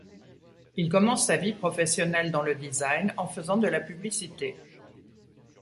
Il commence sa vie professionnelle dans le design, en faisant de la publicité.